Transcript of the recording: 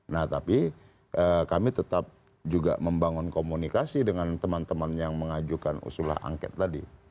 nah tapi kami tetap juga membangun komunikasi dengan teman teman yang mengajukan usulah angket tadi